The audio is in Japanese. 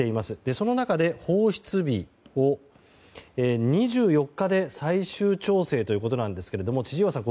その中で、放出日を２４日で最終調整ということですが千々岩さん